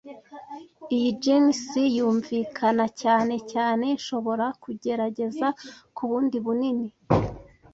Iyi jeans yunvikana cyane cyane Nshobora kugerageza ku bundi bunini?